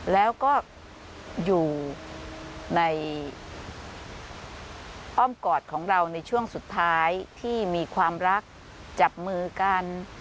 แล้วก็อยู่ในอ้อมกอดของเราในช่วงสุดท้ายที่มีความรักจับมือกัน